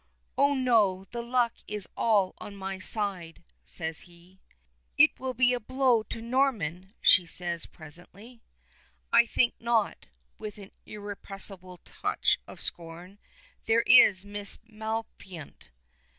"Oh, no, the luck is all on my side," says he. "It will be a blow to Norman," she says, presently. "I think not," with an irrepressible touch of scorn. "There is Miss Maliphant."